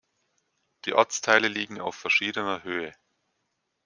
Die Ortsteile liegen auf verschiedener Höhe.